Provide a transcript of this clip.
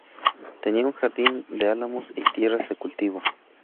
Tenía un jardín de álamos y tierras de cultivo.